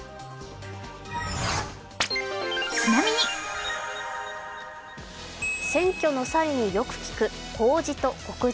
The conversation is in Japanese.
ちなみに選挙の際によく聞く公示と告示。